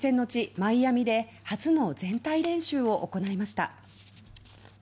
マイアミで初の全体練習を行いました。